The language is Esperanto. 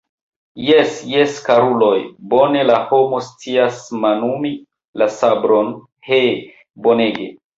Jes, jes, karuloj, bone la homo scias manumi la sabron, he, bonege!